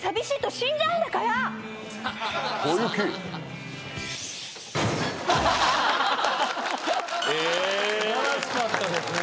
素晴らしかったですね。